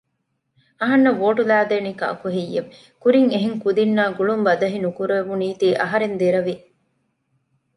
އަހަންނަށް ވޯޓް ލައިދޭނީ ކާކުހެއްޔެވެ؟ ކުރިން އެހެން ކުދިންނާ ގުޅުން ބަދަހި ނުކުރެވުނީތީ އަހަރެން ދެރަވި